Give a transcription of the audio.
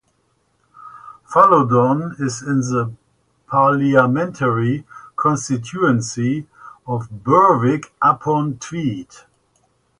Fallodon is in the parliamentary constituency of Berwick-upon-Tweed.